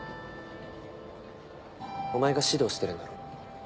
お前が指導してるんだろ？